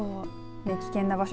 危険な場所